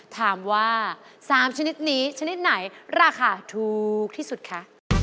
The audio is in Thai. ถามว่า๓ชนิดนี้ชนิดไหนราคาถูกที่สุดคะ